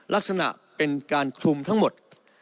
ลักษณะเป็นการคลุมทั้งหมด